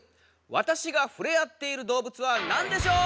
私がふれあっている動物は何でしょう？